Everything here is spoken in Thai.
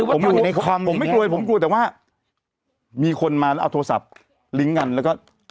ผมไม่กลัวผมกลัวแต่ว่ามีคนมาเอาโทรศัพท์ลิงก์งันแล้วก็